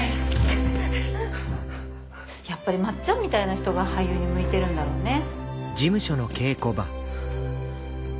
やっぱりまっちゃんみたいな人が俳優に向いてるんだろうね。